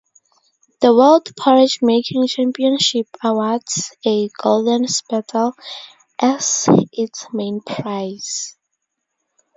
The World Porridge Making Championship awards a "Golden Spurtle" as its main prize.